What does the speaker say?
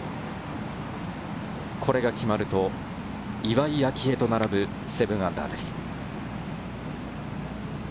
これが決まると、岩井明愛と並ぶ−７です。